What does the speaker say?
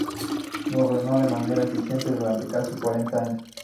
Gobernó de manera eficiente durante casi cuarenta años.